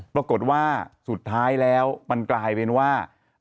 ปรากฏว่าสุดท้ายแล้วมันกลายเป็นว่า